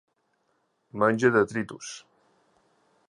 Menja detritus.